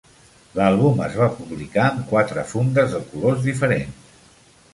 L'àlbum es va publicar amb quatre fundes de colors diferents.